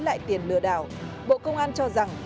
lại tiền lừa đảo bộ công an cho rằng